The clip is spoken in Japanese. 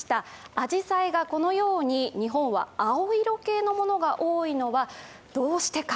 あじさいがこのように、日本は青色系のものが多いのはどうしてか。